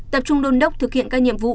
tập trung đôn đốc thực hiện các nhiệm vụ